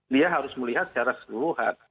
dia harus melihat secara keseluruhan